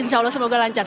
insya allah semoga lancar